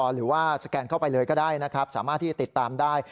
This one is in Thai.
หรือว่าสแกนเข้าไปเลยก็ได้นะครับสามารถที่จะติดตามได้